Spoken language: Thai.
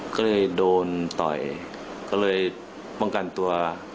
ก็เลยโดนต่อยก็เลยป้องกันตัว